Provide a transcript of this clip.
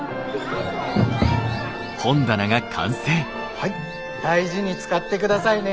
はい大事に使ってくださいね。